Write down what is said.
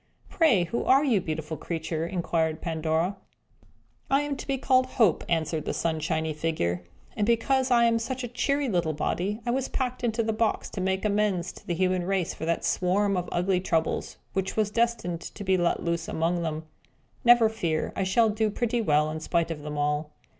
"Pray, who are you, beautiful creature?" inquired Pandora. "I am to be called Hope!" answered the sunshiny figure. "And because I am such a cheery little body, I was packed into the box, to make amends to the human race for that swarm of ugly Troubles, which was destined to be let loose among them. Never fear! we shall do pretty well in spite of them all."